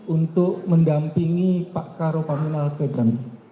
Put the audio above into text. untuk mendampingi pak karo pamina ke jambi